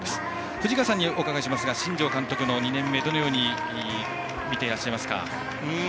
藤川さんにお伺いしますが新庄監督の２年目どう見ていますか。